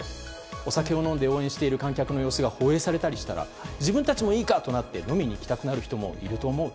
お酒を飲んで応援している観客の様子が放映されたりしたら自分たちもいいかと思って飲みに行きたくなる人も多いと思う。